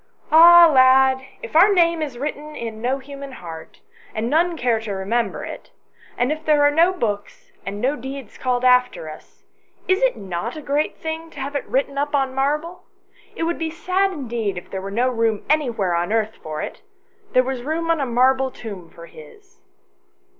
" Ah, lad, if our name is written in no human heart, and none care to remember it, and if there are no books and no deeds called after us, is it not a great thing to have it written up on marble ? It would be sad indeed if there were no room anywhere on earth for it : there was room on a marble tomb for his."